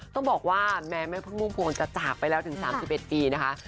ต้องบอกว่าแม้แม่พึ่งพุ่มพวงจะจากไปแล้วถึง๓๑ปีนะคะ